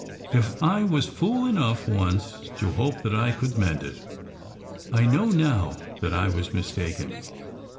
If I was fool enough once to hope that I could mend it, I know now that I was mistaken.